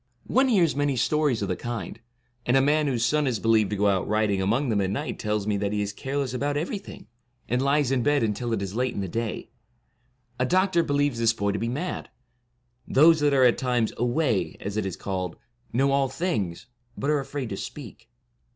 One hears many stories of the kind; and a man whose son is believed to go out riding among them at night tells me that he is careless about everything, and lies in bed until it is late in the day. A doctor believes this boy to be mad. Those that are at times ' away, ' as it is called, know all things, but are afraid to speak.